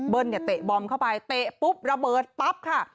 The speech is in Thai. เนี่ยเตะบอมเข้าไปเตะปุ๊บระเบิดปั๊บค่ะ